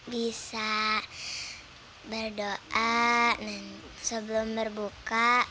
bisa berdoa sebelum berbuka